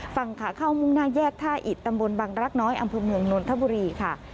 ฝั่งขาเข้ามุ่งหน้าแยกท่าอิดตำบลบังรักน้อยอำเภอเมืองนนทบุรีค่ะ